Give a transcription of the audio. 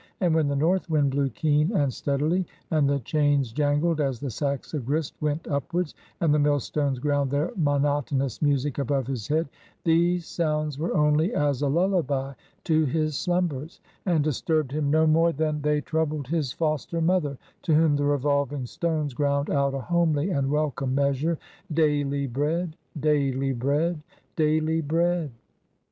And when the north wind blew keen and steadily, and the chains jangled as the sacks of grist went upwards, and the millstones ground their monotonous music above his head, these sounds were only as a lullaby to his slumbers, and disturbed him no more than they troubled his foster mother, to whom the revolving stones ground out a homely and welcome measure: "Dai ly bread, dai ly bread, dai ly bread."